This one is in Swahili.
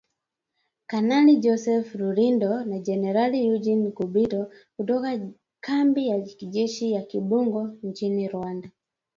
Kanali Joseph Rurindo na Jenerali Eugene Nkubito, kutoka kambi ya kijeshi ya Kibungo nchini Rwanda.